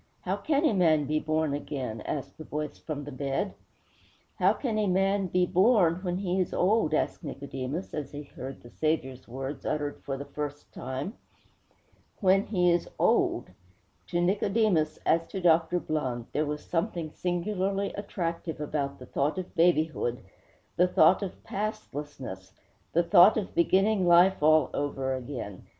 How can a man be born again?' asked the voice from the bed. 'How can a man be born when he is old?' asked Nicodemus, as he heard the Saviour's words uttered for the first time. 'When he is old!' To Nicodemus, as to Dr. Blund, there was something singularly attractive about the thought of babyhood, the thought of pastlessness, the thought of beginning life all over again.